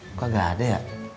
buka gak ada ya